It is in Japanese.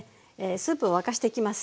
スープを沸かしていきます。